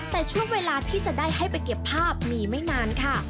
แต่ช่วงเวลาที่จะได้ให้ไปเก็บภาพมีไม่นานค่ะ